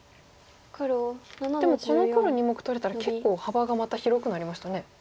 でもこの黒２目取れたら結構幅がまた広くなりましたね。